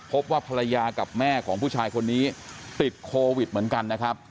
พบว่าภรรยากับแม่ของผู้ชายคนนี้ติดโควิดเหมือนกันนะครับ